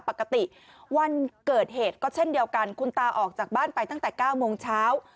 ปกติวันเกิดเหตุก็เช่นเดียวกันคุณตาออกจากบ้านไปตั้งแต่๙โมงเช้า